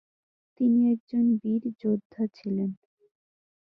তিনি একজন বীর যোদ্ধা ছিলেন।